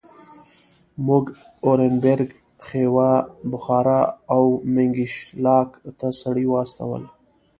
موږ اورینبرګ، خیوا، بخارا او منګیشلاک ته سړي واستول.